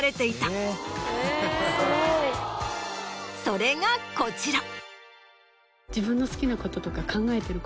それがこちら。